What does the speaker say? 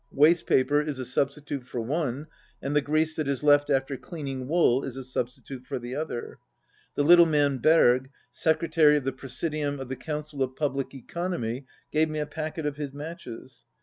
Waste paper is a substitute for one, and the grease that is left after cleaning wool is a substitute for the other. The little man, Berg, secretary of the Presidium of the Council of Public Economy, gave me a packet of his matches.